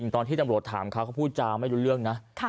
ตอนที่จำโรจถามคะเค้าพูดจาไม่รู้เรื่องน่ะค่ะ